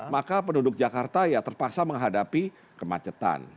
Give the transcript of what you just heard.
maka penduduk jakarta ya terpaksa menghadapi kemacetan